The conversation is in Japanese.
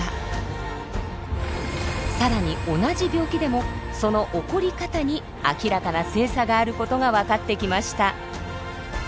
更に同じ病気でもその起こり方に明らかな性差があることが分かってきました。